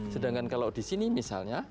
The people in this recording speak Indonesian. sedangkan kalau di sini misalnya